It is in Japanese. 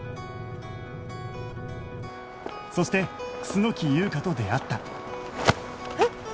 そして楠木優香と出会ったえっ！？